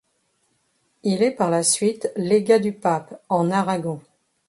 Il est par la suite légat du pape en Aragon.